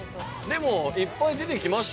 でもいっぱい出てきましたよ。